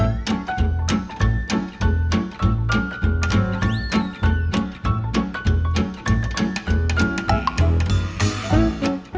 สวัสดีครับ